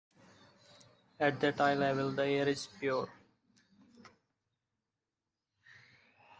At that high level the air is pure.